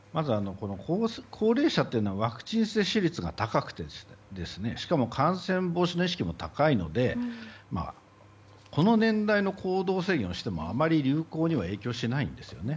高齢者というのはワクチン接種率が高くてしかも感染防止の意識も高いのでこの年代の行動制限をしてもあまり流行には影響しないんですね。